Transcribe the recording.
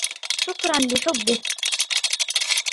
شكراً لحبك.